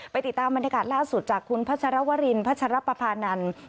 ติดตามบรรยากาศล่าสุดจากคุณพัชรวรินพัชรปภานันทร์